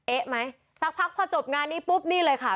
เอ๊ะไหมสักพักพอจบงานนี้ปุ๊บนี่เลยค่ะ